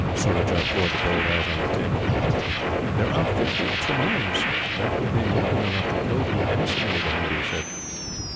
Surajah poured the gold out on the table. "There are fifty tomauns. That will be more than enough to clothe you handsomely," the Hindoo said.